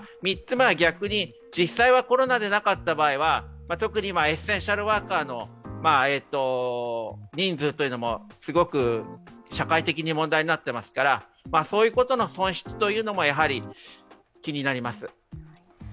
３つ目は、逆に実際にコロナでなかった場合は特にエッセンシャルワーカーの人数というのもすごく社会的に問題になっていますからそういうことの損失も気になります。